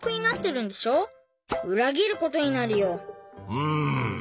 うん。